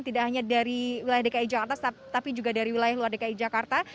tidak hanya dari wilayah dki jakarta tapi juga dari wilayah luar dki jakarta